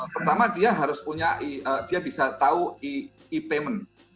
pertama dia harus punya dia bisa tahu e payment